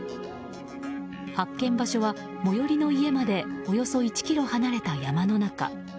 発見場所は最寄りの家までおよそ１ｋｍ離れた山の中。